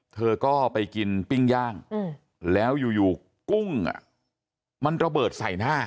เธอก็ไปกินปิ้งย่างแล้วอยู่กุ้งมันระเบิดใส่หน้า